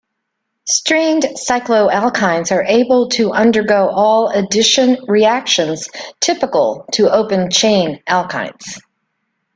Strained cycloalkynes are able to undergo all addition reactions typical to open chain alkynes.